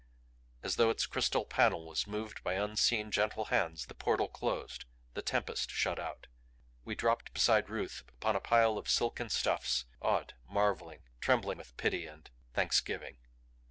As though its crystal panel was moved by unseen, gentle hands, the portal closed; the tempest shut out. We dropped beside Ruth upon a pile of silken stuffs awed, marveling, trembling with pity and thanksgiving.